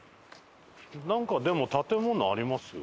なんかでも建物ありますよね。